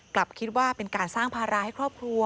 กลับคิดว่าเป็นการสร้างภาระให้ครอบครัว